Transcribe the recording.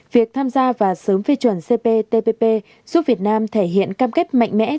việc tham gia và sớm phê chuẩn cptpp giúp việt nam thể hiện cam kết mạnh mẽ